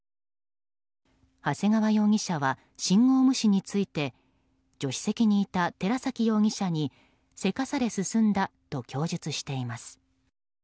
長谷川容疑者は信号無視について助手席にいた寺崎容疑者にせかされ進んだと供述しています。